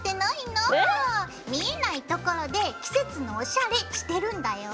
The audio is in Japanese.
見えないところで季節のおしゃれしてるんだよ。